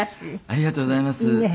ありがとうございます。